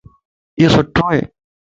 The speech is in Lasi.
ايو سُتوائي